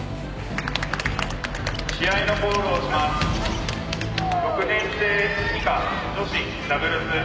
「試合のコールをします」